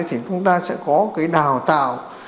thì chúng ta sẽ có cái đào tạo